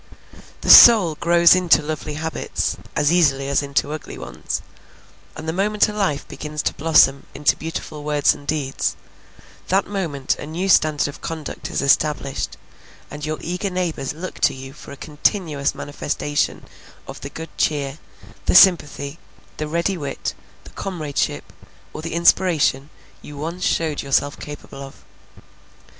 The soul grows into lovely habits as easily as into ugly ones, and the moment a life begins to blossom into beautiful words and deeds, that moment a new standard of conduct is established, and your eager neighbors look to you for a continuous manifestation of the good cheer, the sympathy, the ready wit, the comradeship, or the inspiration, you once showed yourself capable of.